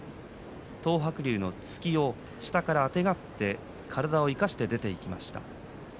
東白龍の突きを下からあてがって体を生かして出ていきました。